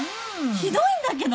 ひどいんだけど。